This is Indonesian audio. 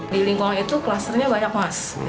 di lingkungan itu klusternya banyak mas